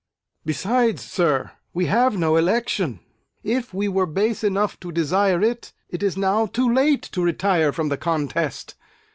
Besides, sir, we have no election. If we were base enough to desire it, it is now too late to retire from the contest.